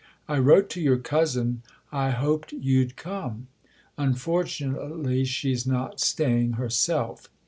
" I wrote to your cousin I hoped you'd come. Unfortunately she's not staying her self."